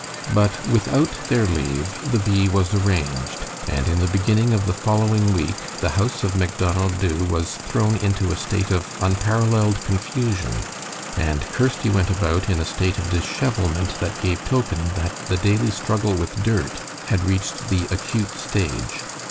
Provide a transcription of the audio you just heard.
But without their leave the bee was arranged, and in the beginning of the following week the house of Macdonald Dubh was thrown into a state of unparalleled confusion, and Kirsty went about in a state of dishevelment that gave token that the daily struggle with dirt had reached the acute stage.